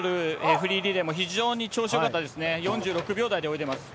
フリーリレーも非常に調子よかったですね。